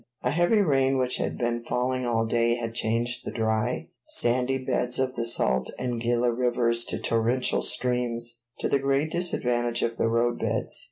A heavy rain which had been falling all day had changed the dry, sandy beds of the Salt and Gila rivers to torrential streams, to the great disadvantage of the roadbeds.